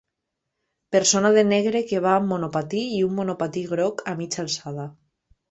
Persona de negre que va amb monopatí i un monopatí groc a mitja alçada.